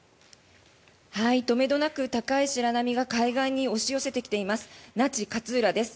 止めどなく高い白波が海岸に押し寄せてきています那智勝浦です。